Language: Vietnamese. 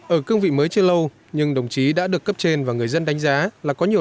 ở cương vị mới chưa lâu nhưng đồng chí đã được cấp trên và người dân đánh giá là có nhiều